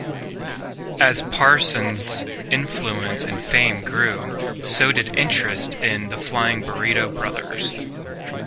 As Parsons's influence and fame grew, so did interest in the Flying Burrito Brothers.